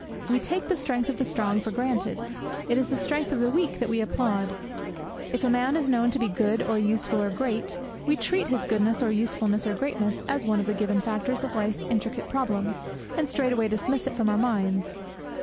We take the strength of the strong for granted; it is the strength of the weak that we applaud. If a man is known to be good or useful or great, we treat his goodness or usefulness or greatness as one of the given factors of life's intricate problem, and straightway dismiss it from our minds.